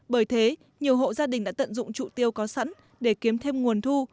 bởi thế nhiều hộ gia đình đã tận dụng trụ tiêu có sẵn để kiếm thêm nguồn thu